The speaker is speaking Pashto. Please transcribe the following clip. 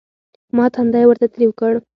ما تندى ورته تريو کړ.